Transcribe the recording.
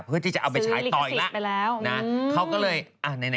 เพื่อที่จะเอาไปส่ายต่ออีกแล้ว